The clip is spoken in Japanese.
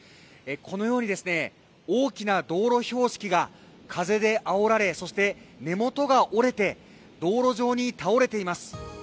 このように大きな道路標識が風であおられそして根元が折れて道路上に倒れています。